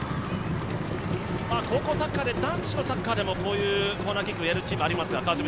高校サッカーで男子のサッカーでもこういうコーナーキックをやるチームもありますが。